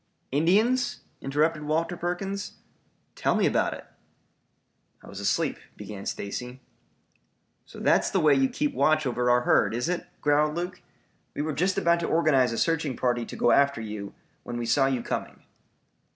"Indians?" interrupted Walter Perkins. "Tell me about it?" "I was asleep," began Stacy. "So that's the way you keep watch over our herd is it?" growled Luke. "We were just about to organize a searching party to go after you, when we saw you coming."